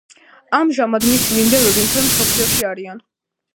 ამჟამად მისი მიმდევრები მთელ მსოფლიოში არიან.